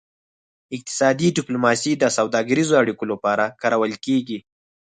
اقتصادي ډیپلوماسي د سوداګریزو اړیکو لپاره کارول کیږي